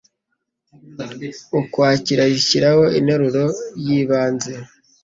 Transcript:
Ukwakira rishyiraho interuro y ibanze